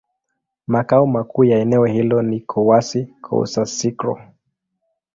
Makao makuu ya eneo hilo ni Kouassi-Kouassikro.